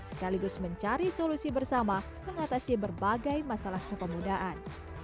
sekaligus mencari solusi bersama mengatasi berbagai masalah kepemudaan